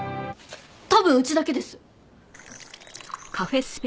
多分うちだけです。